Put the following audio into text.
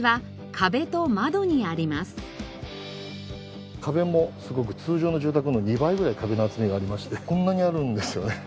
壁もすごく通常の住宅の２倍ぐらい壁の厚みがありましてこんなにあるんですよね。